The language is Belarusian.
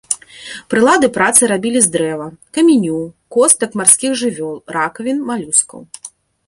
Прылады працы рабілі з дрэва, каменю, костак марскіх жывёл, ракавін малюскаў.